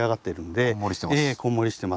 こんもりしてます。